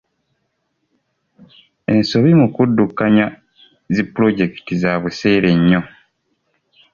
Ensobi mu kuddukanya zi pulojekiti za buseere nnyo.